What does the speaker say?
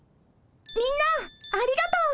みんなありがとう。